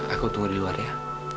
aku tunggu di luar ya